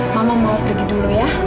mama mau pergi dulu ya